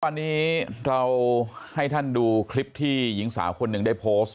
วันนี้เราให้ท่านดูคลิปที่หญิงสาวคนหนึ่งได้โพสต์